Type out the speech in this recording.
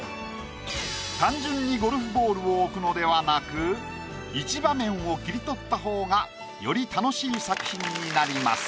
単純にゴルフボールを置くのではなく一場面を切り取った方がより楽しい作品になります。